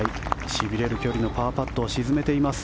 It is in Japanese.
しびれる距離のパーパットを沈めています。